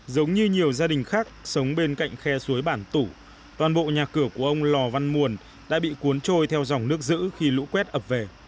giống như nhiều gia đình khác sống bên cạnh khe suối bản tủ toàn bộ nhà cửa của ông lò văn muồn đã bị cuốn trôi theo dòng nước giữ khi lũ quét ập về